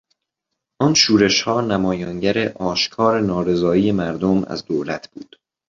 آن شورش ها نمایانگر آشکار نارضایی مردم از دولت بود.